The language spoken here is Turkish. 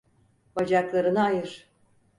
Bacaklarını ayır.